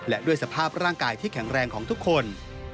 และด้วยสภาพร่างกายที่แข็งแรงของทุกคน